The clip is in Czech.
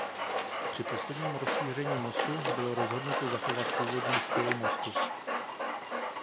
Při posledním rozšíření mostu bylo rozhodnuto zachovat původní styl mostu.